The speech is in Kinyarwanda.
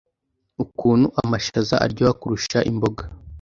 Ukuntu amashaza aryoha kurusha imboga